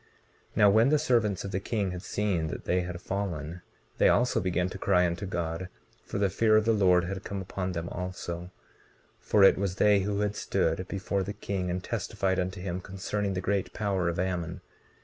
19:15 Now, when the servants of the king had seen that they had fallen, they also began to cry unto God, for the fear of the Lord had come upon them also, for it was they who had stood before the king and testified unto him concerning the great power of Ammon.